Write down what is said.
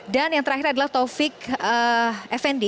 dan yang terakhir adalah taufik effendi